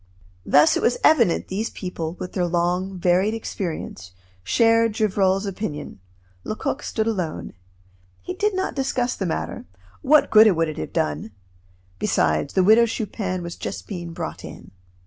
Thus it was evident these people, with their long, varied experience, shared Gevrol's opinion; Lecoq stood alone. He did not discuss the matter what good would it have done? Besides, the Widow Chupin was just being brought in.